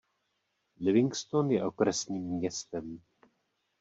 Livingston je okresním městem.